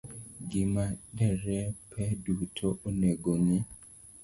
Gima derepe duto onego ong'e